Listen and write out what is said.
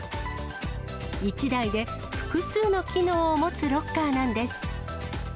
１台で複数の機能を持つロッカーなんです。